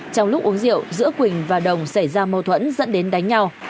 trong lúc uống rượu giữa quỳnh và đồng xảy ra mâu thuẫn dẫn đến đánh nhau